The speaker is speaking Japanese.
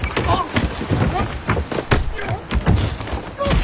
あっ。